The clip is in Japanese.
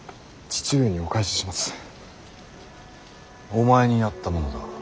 お前にやったものだ。